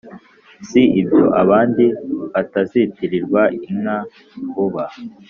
si ibyo abandi batazitirirwa inka vuba